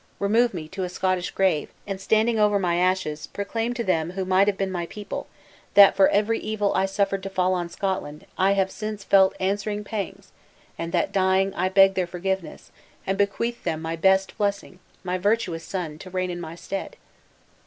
Remove me to a Scottish grave, and, standing over my ashes, proclaim to them who might have been my people, that for every evil I suffered to fall on Scotland, I have since felt answering pangs, and that dying, I beg their forgiveness, and bequeath them my best blessing my virtuous son, to reign in my stead!"